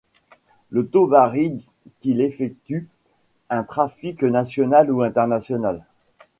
Le taux varie qu'il effectue un trafic national ou international.